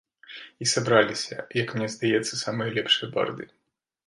І сабраліся, як мне здаецца, самыя лепшыя барды.